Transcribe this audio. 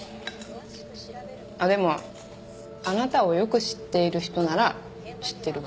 あっでもあなたをよく知っている人なら知ってるわ。